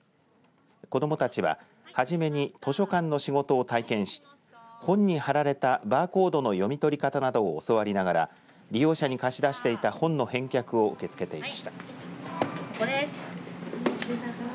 子どもたちは初めに図書館の仕事を体験し本に貼られたバーコードの読み取り方などを教わりながら利用者に貸し出していた本の返却を受け付けていました。